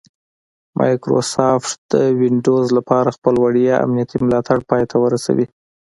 مایکروسافټ د ونډوز لپاره خپل وړیا امنیتي ملاتړ پای ته ورسوي